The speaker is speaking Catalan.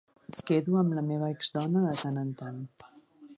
Quedo amb la meva exdona de tant en tant.